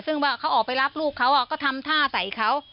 ซึ่งว่าเขาออกไปรับลูกเขาก็ทำท่าใส่เขา